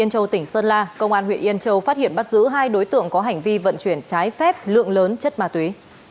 tân châu tỉnh sơn la công an huyện yên châu phát hiện bắt giữ hai đối tượng có hành vi vận chuyển trái phép lượng lớn chất ma túy